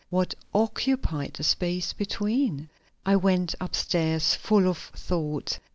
What occupied the space between? I went upstairs full of thought.